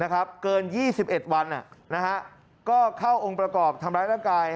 เกิน๒๑วันก็เข้าองค์ประกอบทำร้ายร่างกาย